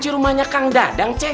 rumahnya kang dadang cek